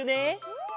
うん！